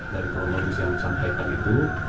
dari kronologis yang disampaikan itu